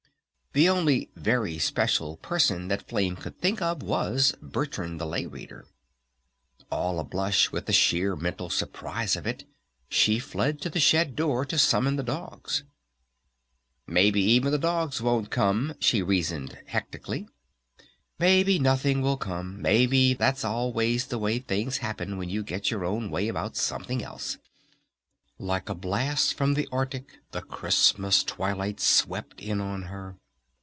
The only "Very Special" person that Flame could think of was "Bertrand the Lay Reader." All a blush with the sheer mental surprise of it she fled to the shed door to summon the dogs. "Maybe even the dogs won't come!" she reasoned hectically. "Maybe nothing will come! Maybe that's always the way things happen when you get your own way about something else!" Like a blast from the Arctic the Christmas twilight swept in on her.